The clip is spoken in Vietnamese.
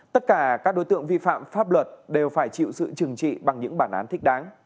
tất cả các đối tượng vi phạm pháp luật đều phải chịu sự trừng trị bằng những bản án thích đáng